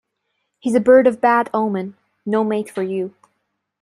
He’s a bird of bad omen: no mate for you.